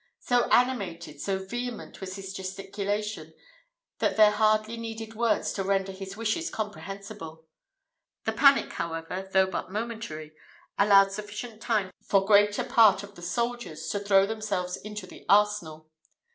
So animated, so vehement was his gesticulation, that there hardly needed words to render his wishes comprehensible. The panic, however, though but momentary, allowed sufficient time for greater part of the soldiers to throw themselves into the arsenal.